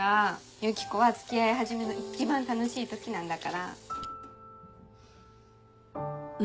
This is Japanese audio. ユキコは付き合い始めの一番楽しい時なんだから。